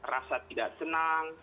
rasa tidak senang